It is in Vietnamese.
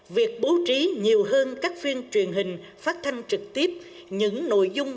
việc bố trí nhiều hơn các phiên truyền hình phát thanh trực tiếp những nội dung